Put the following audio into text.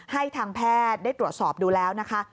ให้ทางแพทย์ได้ตรวจสอบดูแล้วนะคะ